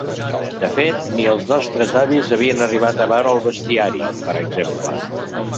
De fet, ni els nostres avis havien arribat a veure el bestiari, per exemple.